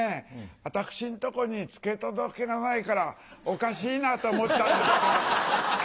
私のとこに付け届けがないからおかしいなと思ったんですけど。